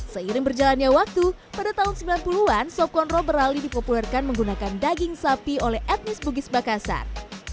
seiring berjalannya waktu pada tahun sembilan puluh an sop conro beralih dipopulerkan menggunakan daging sapi oleh etnis bugis makassar